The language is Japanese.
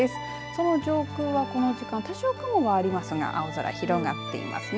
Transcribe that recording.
その上空はこの時間多少雲はありますが青空が広がっています。